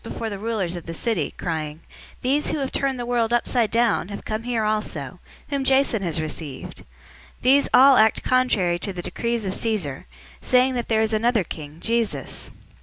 "} before the rulers of the city, crying, "These who have turned the world upside down have come here also, 017:007 whom Jason has received. These all act contrary to the decrees of Caesar, saying that there is another king, Jesus!"